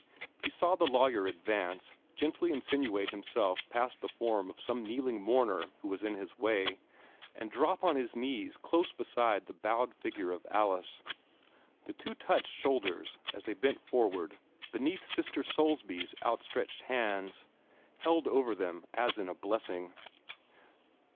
He saw the lawyer advance, gently insinuate himself past the form of some kneeling mourner who was in his way, and drop on his knees close beside the bowed figure of Alice. The two touched shoulders as they bent forward beneath Sister Soulsby's outstretched hands, held over them as in a blessing.